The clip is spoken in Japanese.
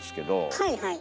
はいはい。